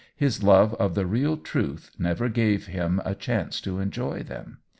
His love of the real truth never gave him a chance to enjoy them.